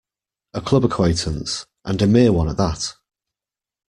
A club acquaintance, and a mere one at that.